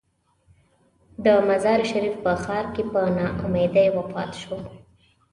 د مزار شریف په ښار کې په نا امیدۍ وفات شو.